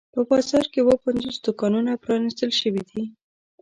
په بازار کې اووه پنځوس دوکانونه پرانیستل شوي دي.